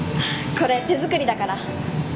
これ手作りだから。